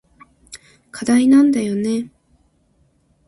課題なんだよね。